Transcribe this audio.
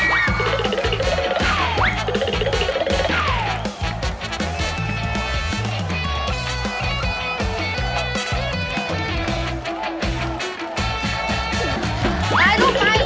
ไปลูกไป